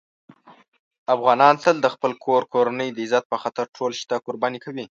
افغانان تل د خپل کور کورنۍ د عزت په خاطر ټول شته قرباني کوي.